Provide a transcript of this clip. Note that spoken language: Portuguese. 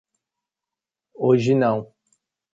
Hoje não.